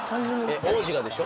皇子がでしょ？